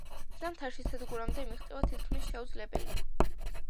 ზამთარში სადგურამდე მიღწევა თითქმის შეუძლებელია.